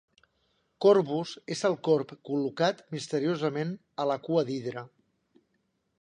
Corvus és el corb col·locat misteriosament a la cua d'Hidra.